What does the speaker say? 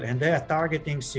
dan mereka menarik pemerintah